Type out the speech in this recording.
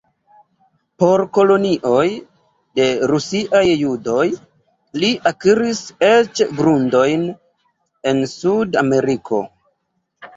Por kolonioj de rusiaj judoj li akiris eĉ grundojn en Suda Ameriko.